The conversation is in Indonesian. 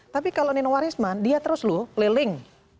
tapi kalau nino warisman dia terus leleng